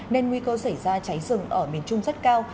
nên nguy cơ xảy ra cháy rừng ở miền trung rất cao